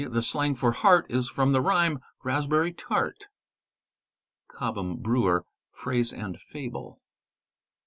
the slang for heart, is from the rhyme "raspberry tart." (Cobham Brewer, " Phrase and Fable.